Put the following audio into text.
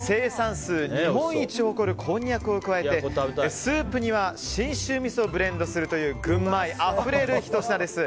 豚肉王国、群馬のソウルフードもつ煮に生産数日本一を誇るこんにゃくを加えてスープには信州味噌をブレンドするという群馬愛あふれる、ひと品です。